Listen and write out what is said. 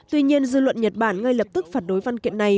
tuy nhiên dư luận nhật bản ngay lập tức phản đối văn kiện này